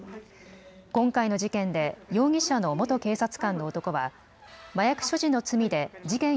今回の事件で容疑者の元警察官の男は麻薬所持の罪で事件